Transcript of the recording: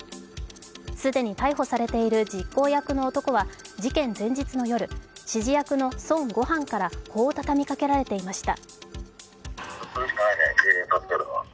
既に逮捕されている実行役の男は事件前日の夜、指示役の孫悟飯からこう畳みかけられていました。